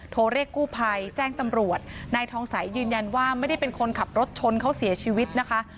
โทรเรียกกู้ภัยแจ้งตำรวจนายทองสัยยืนยันว่าไม่ได้เป็นคนขับรถชนเขาเสียชีวิตนะคะ